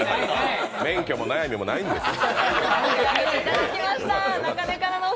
免許も悩みもないんですよ。